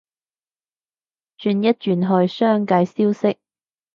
轉一轉去商界消息